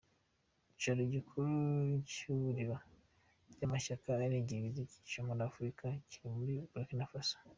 Icyicaro gikuru cy’Ihuriro ry’amashyaka arengera ibidukikije muri Afurika kiri muri Burkina Faso.